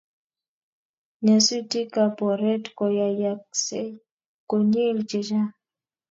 Nyasutikab oret koyayaksei konyil che chang